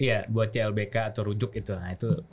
iya buat clbk atau rujuk itu